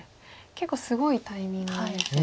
結構すごいタイミングですが。